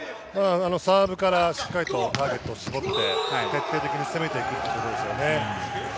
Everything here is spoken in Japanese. サーブからしっかりとターゲットを絞って徹底的に一気に攻めていくっていうことですよね。